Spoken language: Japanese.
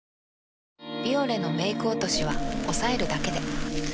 「ビオレ」のメイク落としはおさえるだけで。